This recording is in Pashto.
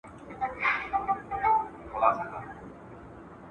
د بنسټیزې موضوع ټاکل د سیاستپوهانو په غوښتنې پورې اړه لري.